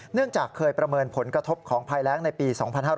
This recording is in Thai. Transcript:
เนื่องจากเคยประเมินผลกระทบของภัยแรงในปี๒๕๕๙